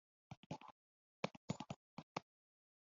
iki ni nde wabyanditse kuki byari ngombwa